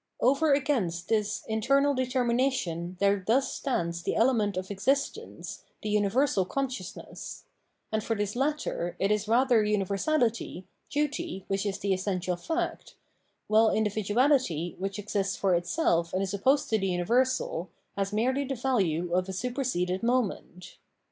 Over against this internal determina tion there thus stands the element of existence, the universal consciousness ; and for this latter it is rather universality, duty, which is the essential fact, while individuality, which exists for itself and is opposed to the universal, has merely the value of a superseded moment.